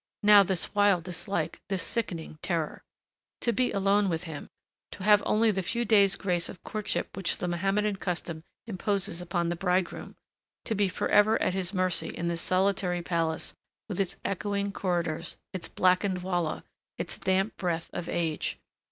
Now this wild dislike, this sickening terror. To be alone with him, to have only the few days grace of courtship which the Mohammadan custom imposes upon the bridegroom, to be forever at his mercy in this solitary palace, with its echoing corridors, its blackened walla, its damp breath of age....